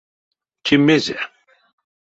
Те мезе?